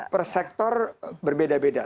per sektor berbeda beda